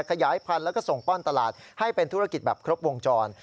ขยายพันธุ์แล้วก็ส่งป้อนตลาดให้เป็นธุรกิจแบบครบวงจร